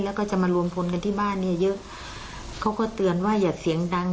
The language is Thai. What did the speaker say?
แล้วก็จะมารวมพลกันที่บ้านเนี่ยเยอะเขาก็เตือนว่าอย่าเสียงดัง